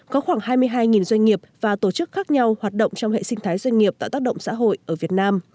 có khoảng hai mươi hai doanh nghiệp và tổ chức khác nhau hoạt động trong hệ sinh thái doanh nghiệp tạo tác động xã hội ở việt nam